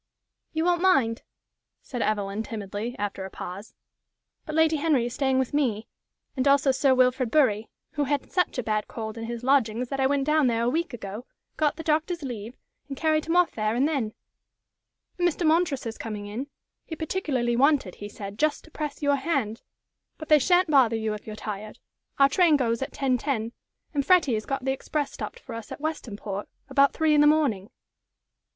"You won't mind," said Evelyn, timidly, after a pause; "but Lady Henry is staying with me, and also Sir Wilfrid Bury, who had such a bad cold in his lodgings that I went down there a week ago, got the doctor's leave, and carried him off there and then. And Mr. Montresor's coming in. He particularly wanted, he said, just to press your hand. But they sha'n't bother you if you're tired. Our train goes at 10.10, and Freddie has got the express stopped for us at Westonport about three in the morning."